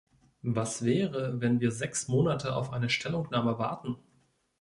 Was wäre, wenn wir sechs Monate auf eine Stellungnahme warten?